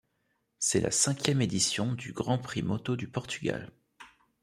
C'est la cinquième édition du Grand Prix moto du Portugal.